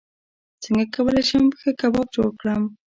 څنګه کولی شم ښه کباب جوړ کړم